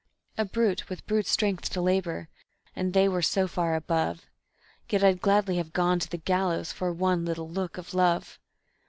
A brute with brute strength to labor, and they were so far above Yet I'd gladly have gone to the gallows for one little look of Love.